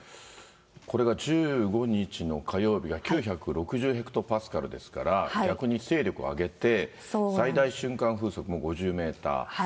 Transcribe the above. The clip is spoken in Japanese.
これが１５日の火曜日が９６０ヘクトパスカルですから、逆に勢力を上げて、最大瞬間風速も５０メーター。